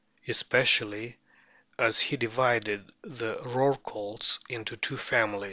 Especially as he divided the Rorquals into two families.